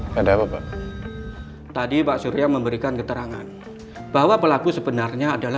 sampai jumpa di video selanjutnya